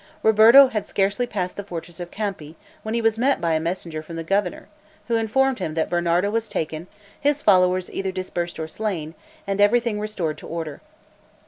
Roberto had scarcely passed the fortress of Campi, when he was met by a messenger from the governor, who informed him that Bernardo was taken, his followers either dispersed or slain, and everything restored to order.